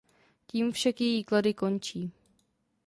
Tím však její klady končí.